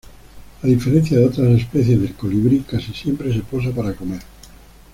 A diferencia de otras especies de colibrí, casi siempre se posa para comer.